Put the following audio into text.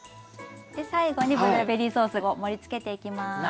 で最後にブルーベリーソースを盛りつけていきます。